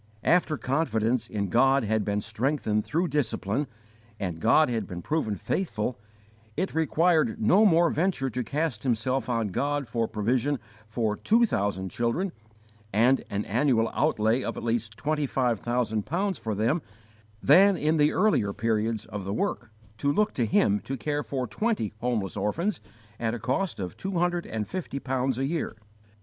After confidence in God had been strengthened through discipline, and God had been proven faithful, it required no more venture to cast himself on God for provision for two thousand children and an annual outlay of at least twenty five thousand pounds for them than in the earlier periods of the work to look to Him to care for twenty homeless orphans at a cost of two hundred and fifty pounds a year.